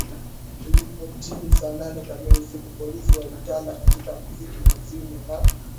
ilipotimu saa nane kamili usiku Polisi walitanda kutaka muziki uzimwe na